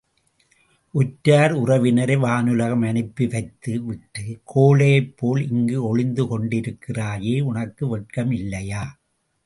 உற்றார் உறவினரை வானுலகம் அனுப்பி வைத்து விட்டுக் கோழையைப் போல் இங்கு ஒளிந்து கொண்டிருக்கிறாயே, உனக்கு வெட்கமில்லையா?